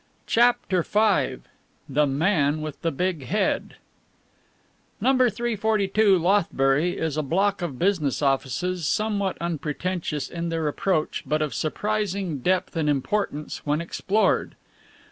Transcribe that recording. CHAPTER V THE MAN WITH THE BIG HEAD No. 342, Lothbury, is a block of business offices somewhat unpretentious in their approach but of surprising depth and importance when explored.